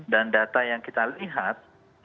dan data yang kita lihat